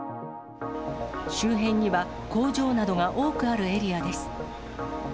周辺には工場などが多くあるエリアです。